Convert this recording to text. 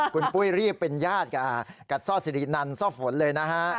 คุณปุ้ยรีบเป็นญาติกับซ่อสิรินันซ่อฝนเลยนะฮะ